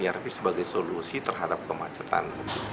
kita pilih irp sebagai solusi terhadap kemacetan